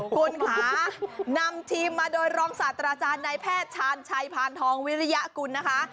คุณค่ะนำทีมมาโดยรองศาสตราจารย์นายแพทย์ชาญชัยพานทองวิริยกุลนะคะ